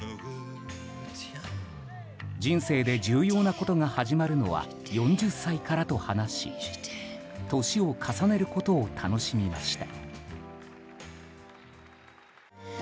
人生で重要なことが始まるのは４０歳からと話し年を重ねることを楽しみました。